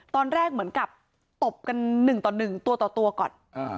ตอนแรกเหมือนกับตบกันหนึ่งต่อหนึ่งตัวต่อตัวก่อน